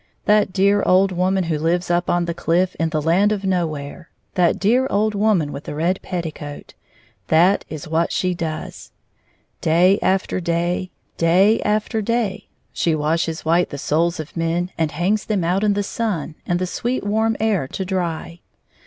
That dear old woman who Kves up on the cKff in the Land of Nowhere — that dear old woman with the red petticoat — that is what she does. Day after day, day after day, she washes white the souls of men, and hangs them out in the sun and the sweet warm air to dry.